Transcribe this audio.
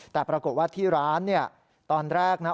แต่ปรากฏว่าที่ร้านเนี่ยตอนแรกนะ